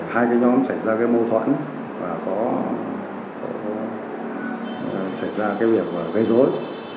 hai cái nhóm xảy ra cái mô thoảng và có xảy ra cái việc gây rối